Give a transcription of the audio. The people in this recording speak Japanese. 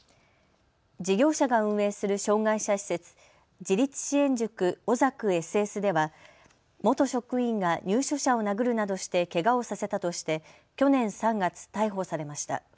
事業者が運営する障害者施設自立支援塾おざくＳＳでは元職員が入所者を殴るなどしてけがをさせたとして去年３月逮捕されました。